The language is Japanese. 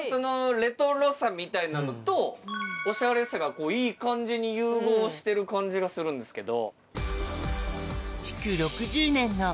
レトロさみたいなのとオシャレさがいい感じに融合してる感じがするんですけど。